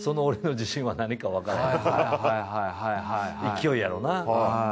勢いやろな。